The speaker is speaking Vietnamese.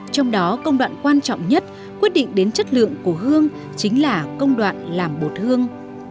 trong đó công đoạn quan trọng nhất quyết định đến chất lượng của hương chính là công đoạn làm bột hương